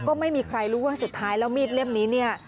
ก็ไม่มีใครรู้ว่าสุดท้ายแล้วมีดเล่มนี้เนี่ย